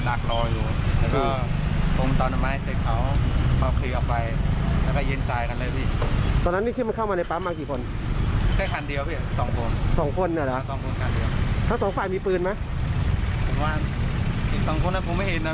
ได้ยินเสียงฟืนอยู่๔๕นัก